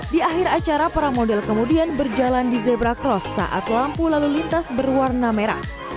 di akhir acara para model kemudian berjalan di zebra cross saat lampu lalu lintas berwarna merah